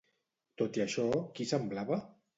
Tot i això, qui semblava?